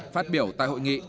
phát biểu tại hội nghị